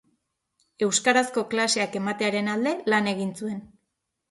Euskarazko klaseak ematearen alde lan egin zuen.